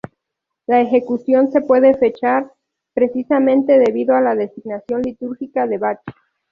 La ejecución se puede fechar precisamente debido a la designación litúrgica de Bach.